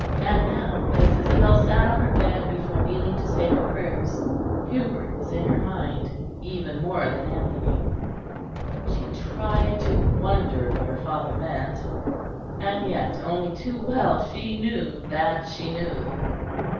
And now, as Isabel sat on her bed before kneeling to say her prayers, Hubert was in her mind even more than Anthony. She tried to wonder what her father meant, and yet only too well she knew that she knew.